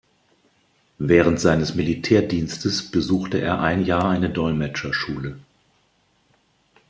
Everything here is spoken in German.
Während seines Militärdienstes besuchte er ein Jahr eine Dolmetscherschule.